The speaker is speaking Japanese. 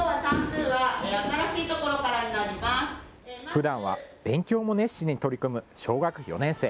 ふだんは勉強も熱心に取り組む小学４年生。